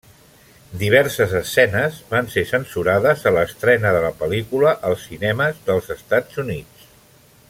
Diverses escenes van ser censurades a l'estrena de la pel·lícula als cinemes dels Estats Units.